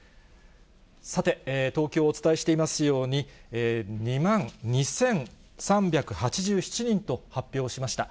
さて、東京、お伝えしていますように、２万２３８７人と発表しました。